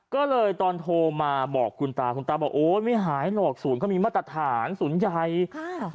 ก็เลยตอนโทรมาบอกคุณตาคุณตาบอกโอ๊ยไม่หายหรอกศูนย์เขามีมาตรฐานศูนย์ใหญ่ค่ะ